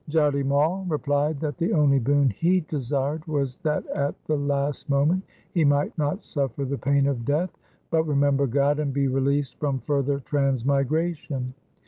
Jati Mai replied that the only boon he desired was that at the last moment he might not suffer the pain of death, but remember God and be released from further transmigration.